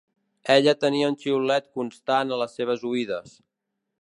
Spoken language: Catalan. Ella tenia un xiulet constant a les seves oïdes.